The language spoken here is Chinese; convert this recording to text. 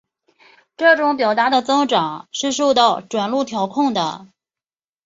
这种表达的增长是受到转录调控的。